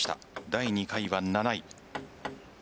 第２回は７位。